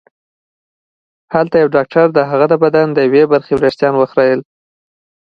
هلته یو ډاکټر د هغه د بدن د یوې برخې وېښته وخریل